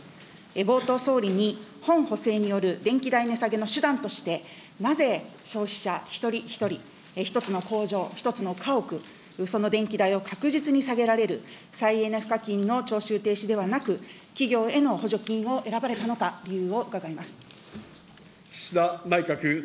冒頭、総理に、本補正による電気代値下げの手段としてなぜ消費者一人一人、１つの工場、１つの家屋、その電気代を確実に下げられる再エネ賦課金の徴収停止ではなく、企業への補助金を選ばれたのか、理由を伺います。